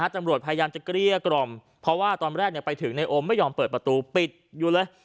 ตำรวจพยายามจะเกลี้ยกล่อมเพราะว่าตอนแรกไปถึงในโอมไม่ยอมเปิดประตูปิดอยู่เลย